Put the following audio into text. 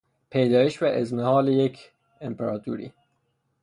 پیدایش و اضمحلال یک امپراطوری